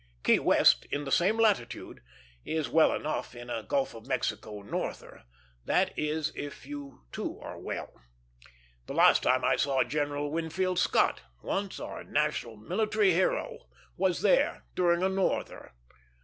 Key West, in the same latitude, is well enough in a Gulf of Mexico norther; that is, if you too are well. The last time I ever saw General Winfield Scott, once our national military hero, was there, during a norther.